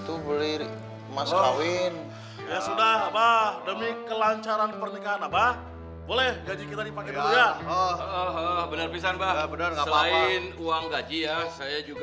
tapi malah bikin aku always love you